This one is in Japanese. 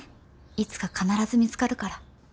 いつか必ず見つかるから。